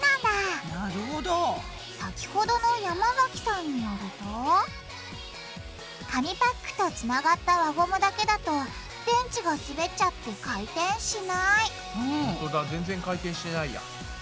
先ほどの山崎さんによると紙パックとつながった輪ゴムだけだと電池がすべっちゃって回転しないほんとだ全然回転してないや。